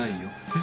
え？